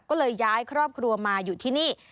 ก็เลยย้ายครอบครัวมาอยู่ที่นี่